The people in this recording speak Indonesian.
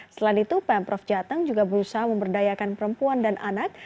selain itu pemprov jateng juga berusaha memberdayakan perempuan dan anak